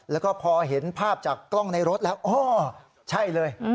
แล้วก็พอเห็นภาพจากกล้องในรถแล้วอ๋อใช่เลย